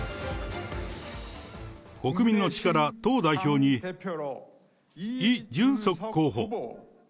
国民の力党代表にイ・ジュンソク候補。